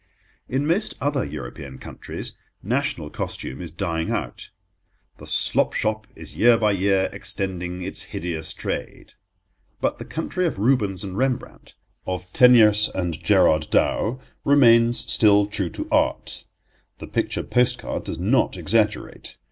In most other European countries national costume is dying out. The slop shop is year by year extending its hideous trade. But the country of Rubens and Rembrandt, of Teniers and Gerard Dow, remains still true to art. The picture post card does not exaggerate.